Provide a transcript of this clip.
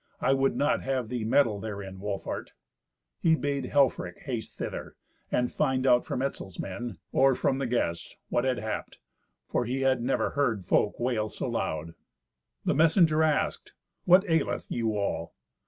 I would not have thee meddle therein, Wolfhart." He bade Helfrich haste thither, and find out from Etzel's men, or from the guests, what had happed, for he had never heard folk wail so loud. The messenger asked, "What aileth you all?"